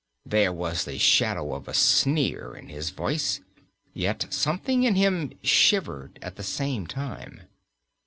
There was the shadow of a sneer in his voice, and yet something in him shivered at the same time.